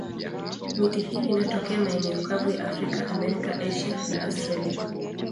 Miti hii inatokea maeneo kavu ya Afrika, Amerika, Asia na Australia.